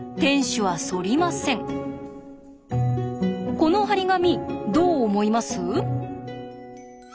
この貼り紙どう思います？